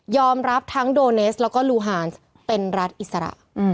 รับทั้งโดเนสแล้วก็ลูฮานเป็นรัฐอิสระ